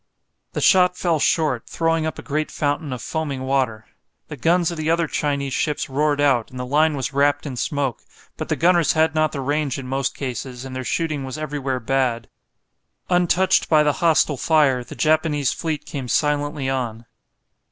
The shot fell short, throwing up a great fountain of foaming water. The guns of the other Chinese ships roared out, and the line was wrapped in smoke, but the gunners had not the range in most cases, and their shooting was everywhere bad. Untouched by the hostile fire, the Japanese fleet came silently on.